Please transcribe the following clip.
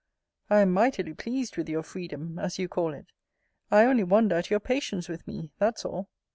I am mightily pleased with your freedom, as you call it. I only wonder at your patience with me; that's all.